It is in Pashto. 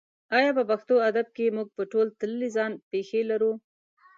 ایا په پښتو ادب کې موږ په تول تللې ځان پېښې لرو؟